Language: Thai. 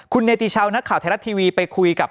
คุณเนติชาวนักข่าวไทยรัฐทีวีไปคุยกับ